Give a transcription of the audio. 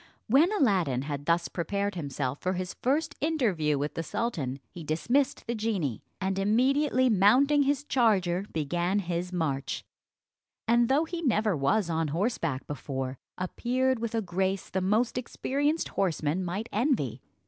When Aladdin had thus prepared himself for his first interview with the sultan, he dismissed the genie, and immediately mounting his charger, began his march, and though he never was on horseback before, appeared with a grace the most experienced horseman might envy.